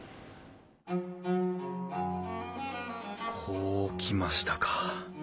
こうきましたかあ。